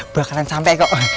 bakalan sampai kok